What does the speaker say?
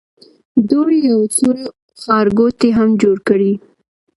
دوی یو څو ښارګوټي هم جوړ کړي.